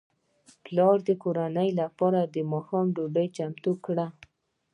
پلار د کورنۍ لپاره د ماښام ډوډۍ چمتو کړه.